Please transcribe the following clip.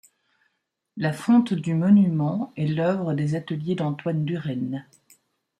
La fonte du monument est l'œuvre des ateliers d'Antoine Durenne.